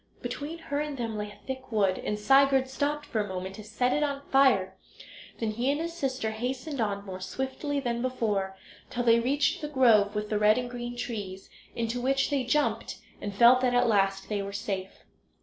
Between her and them lay a thick wood, and Sigurd stopped for a moment to set it on fire; then he and his sister hastened on more swiftly than before, till they reached the grove with the red and green trees, into which they jumped, and felt that at last they were safe.